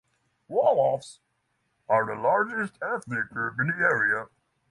Wolofs are the largest ethnic group in the area.